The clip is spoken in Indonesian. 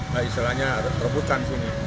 nah misalnya terbukan sini